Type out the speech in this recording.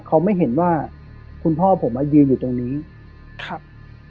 เขาไม่เห็นว่าคุณพ่อผมมายืนอยู่ตรงนี้ครับ